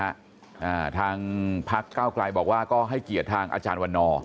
อ่าทางพักเก้าไกลบอกว่าก็ให้เกียรติทางอาจารย์วันนอร์